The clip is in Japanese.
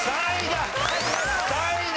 ３位だ！